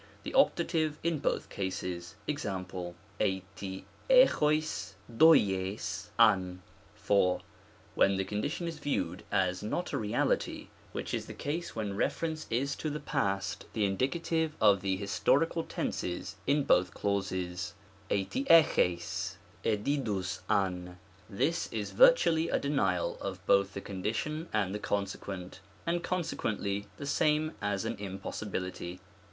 The Opt. in both clauses, ^o?., ei Tl e^ocg^ doir/g av. IV. When the condition is viewed, as not a reality, which is the ease when reference is to the past ; the Indie, of the historical Tenses in both clauses, ti re ux^Qy sSidoug civ. This is virtually a denial of both the con dition and the consequent, and consequently the same as an impossibility.